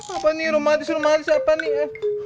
apa nih romantis romantis apa nih ya